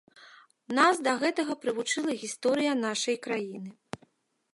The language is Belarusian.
Нас да гэтага прывучыла гісторыя нашай краіны.